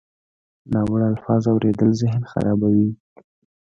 ناوړه الفاظ اورېدل ذهن خرابوي.